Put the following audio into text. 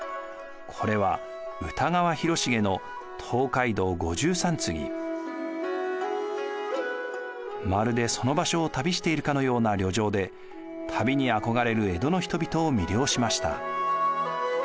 これはまるでその場所を旅しているかのような旅情で旅に憧れる江戸の人々を魅了しました。